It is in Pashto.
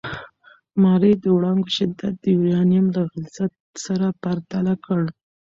ماري د وړانګو شدت د یورانیم له غلظت سره پرتله کړ.